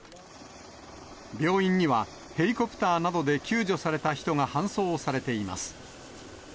病院にはヘリコプターなどで救助された人が搬送されています。